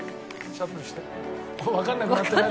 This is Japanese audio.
もうわかんなくなってない？